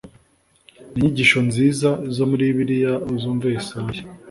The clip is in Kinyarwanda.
ni inyigisho nziza zo muri bibiliya uzumve yesaya